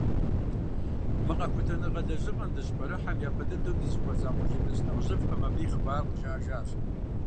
Мы къэхутэныгъэ лэжьыгъэм дыщыпэрыхьэм, япэ дыдэ зызыхуэдгъэза къуажэдэс нэхъыжьыфӏым абы и хъыбарыр къыджиӏэжащ.